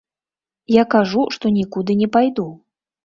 Я кажу, што нікуды не пайду.